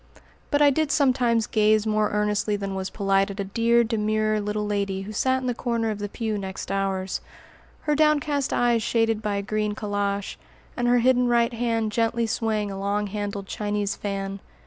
But I did sometimes gaze more earnestly than was polite at a dear, demure little lady who sat in the corner of the pew next ours, her downcast eyes shaded by a green calash, and her hidden right hand gently swaying a long handled Chinese fan.